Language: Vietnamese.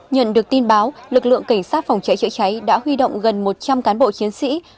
nhận được tin báo lực lượng cảnh sát phòng cháy chữa cháy đã huy động gần một trăm linh cán bộ chiến sĩ